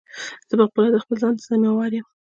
زه په خپله د خپل ځان ضیموار یم.